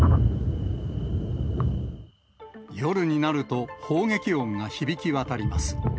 夜になると、砲撃音が響き渡ります。